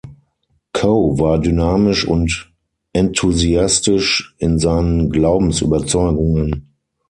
Coe war dynamisch und enthusiastisch in seinen Glaubensüberzeugungen.